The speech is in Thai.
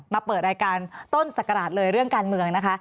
มาเปิดรายการต้นศักราชเลยเรื่องการเมืองนะคะ